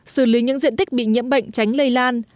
xử lý những diện tích bị nhiễm bệnh tránh lây lan